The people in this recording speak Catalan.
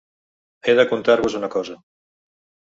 He de contar-vos una cosa.